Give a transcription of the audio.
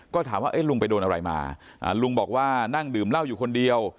ก็ถามว่าลุงไปโดนอะไรมาลุงบอกว่านั่งดื่มเหล้าอยู่คนเดียว